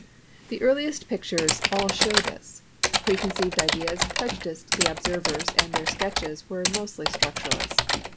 The earliest pictures all show this. Preconceived ideas prejudiced the observers, and their sketches were mostly structureless....